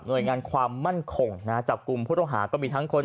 โดยงานความมั่นคงนะจับกลุ่มผู้ต้องหาก็มีทั้งคน